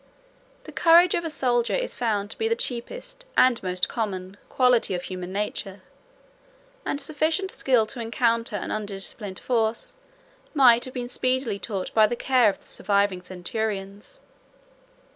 The courage of a soldier is found to be the cheapest, and most common, quality of human nature; and sufficient skill to encounter an undisciplined foe might have been speedily taught by the care of the surviving centurions.